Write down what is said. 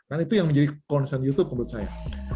dan itu yang menjadi konsen youtube menurut saya